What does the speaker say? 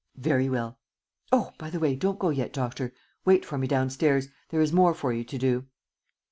"Very well. Oh, by the way, don't go yet, Doctor. Wait for me downstairs. There is more for you to do."